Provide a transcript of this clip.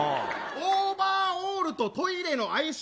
オーバーオールとトイレの相性